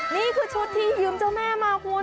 นี่คือชุดที่ยืมเจ้าแม่มาคุณ